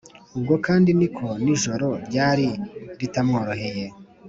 ubwo kandi ni ko n’ijoro ryari ritamworoheye.